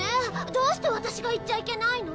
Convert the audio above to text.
どうしてワタシが行っちゃいけないの？